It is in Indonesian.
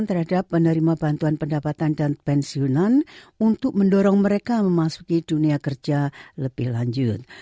terhadap penerima bantuan pendapatan dan pensiunan untuk mendorong mereka memasuki dunia kerja lebih lanjut